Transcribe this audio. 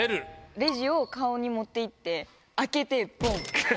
レジを顔に持っていって開けてぼん！